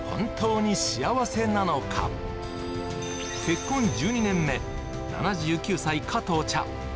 結婚１２年目７９歳加藤茶